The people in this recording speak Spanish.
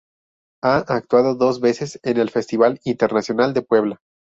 Ha actuado dos veces en el Festival Internacional de Puebla.